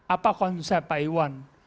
apa konsep pak iwan